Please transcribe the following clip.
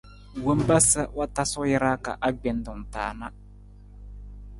Wompa sa wa tasu jara ka agbentung ta na.